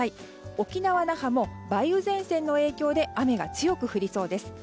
沖縄・那覇も梅雨前線の影響で雨が強く降りそうです。